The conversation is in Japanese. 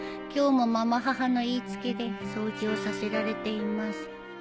今日も継母の言い付けで掃除をさせられています